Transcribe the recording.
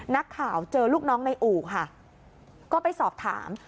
นักข่าวเจอลูกน้องในอู่ค่ะก็ไปสอบถาม